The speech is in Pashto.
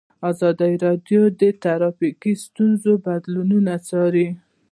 ازادي راډیو د ټرافیکي ستونزې بدلونونه څارلي.